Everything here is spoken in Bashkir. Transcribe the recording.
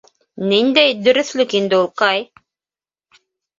Ниндәй дөрөҫлөк инде ул, Кай?